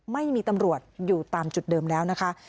ไม่มีตำรวจอยู่ตามจุดเดิมแล้วนะคะ